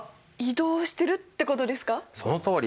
そのとおり！